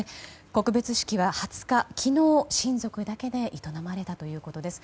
告別式は２０日昨日、親族だけで営まれたということです。